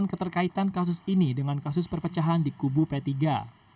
kepada taufan pulung sunggoro yogyakarta